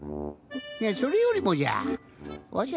それよりもじゃわしゃ